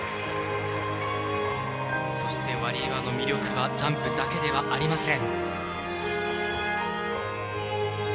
そしてワリエワの魅力はジャンプだけではありません。